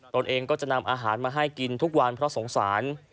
ตนเองก็จะนำอาหารมาให้กินทุกวันเพราะสงสาร